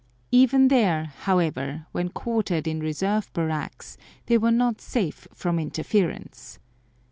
Even there, however, when quartered in reserve barracks, they were not safe from interference.